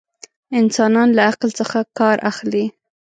انسانان له عقل څخه ڪار اخلي.